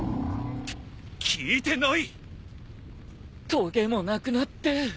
とげもなくなって。